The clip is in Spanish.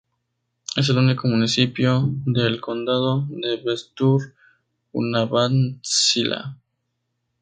Es el único municipio del condado de Vestur-Húnavatnssýsla.